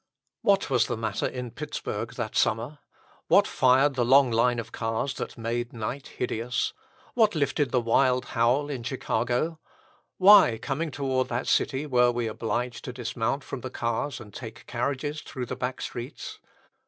What was the matter in Pittsburg that summer? What fired the long line of cars that made night hideous? What lifted the wild howl in Chicago? Why, coming toward that city, were we obliged to dismount from the cars and take carriages through the back streets?